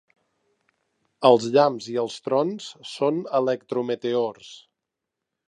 Els llamps i els trons són electrometeors.